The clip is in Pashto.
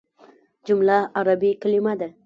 جمله عربي کليمه ده.